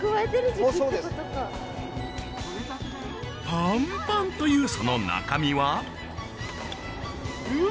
パンパンというその中身は？うわ！